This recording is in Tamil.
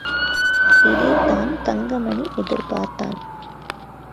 இதைத்தான் தங்கமணி எதிர்பார்த்தான்.